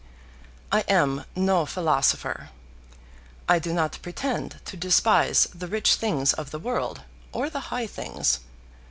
I am no philosopher. I do not pretend to despise the rich things of the world, or the high things.